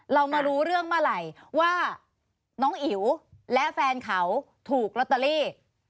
เรามารู้เรื่องเมื่อไหร่ว่าน้องอิ๋วและแฟนเขาถูกลอตเตอรี่